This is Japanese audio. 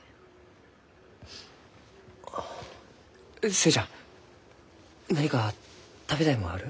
寿恵ちゃん何か食べたいもんある？